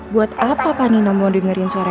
buat apa paninom mau dengerin suara rina